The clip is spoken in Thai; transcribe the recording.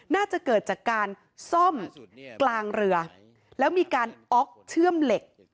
น่าจะเกิดจากการซ่อมกลางเรือแล้วมีการอ๊อกเชื่อมเหล็ก